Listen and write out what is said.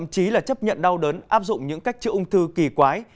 chí là chấp nhận đau đớn áp dụng những cách chữa ung thư kỳ quái